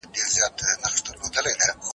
د کور ټولې کړکۍ باید په سپین رنګ رنګ شي.